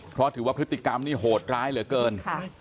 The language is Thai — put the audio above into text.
เพราะถือว่าพฤติกรรมนี่โหดร้ายเหลือเกิน